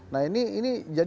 nah ini jadi